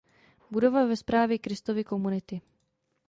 Budova ve správě Kristovy Komunity.